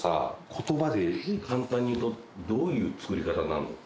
言葉で簡単に言うとどういう作り方になるの？